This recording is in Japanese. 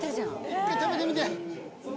一回食べてみて！